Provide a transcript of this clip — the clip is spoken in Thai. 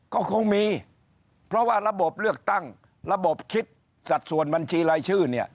ก็คงมีเพราะว่าระบบเลือกตั้งระบบคิดสัดส่วนบัญชีรายชื่อเนี่ย